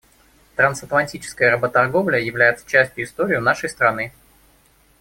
Трансатлантическая работорговля является частью истории нашей страны.